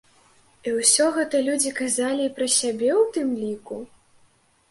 І ўсё гэта людзі казалі і пра сябе ў тым ліку?